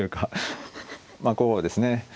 まあこうですね。